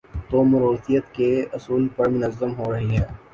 تو موروثیت کے اصول پر منظم ہو رہی ہیں۔